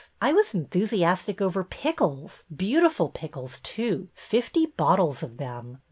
I was enthusiastic over pickles, — beautiful pickles, too, fifty bottles of them.